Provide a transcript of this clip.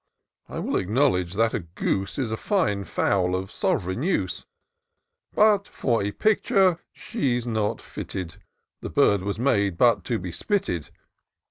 I will acknowledge that a goose Is a fine fowl, of sov'reign use : But for a picture she's not fitted — The bird was made but to be spitted.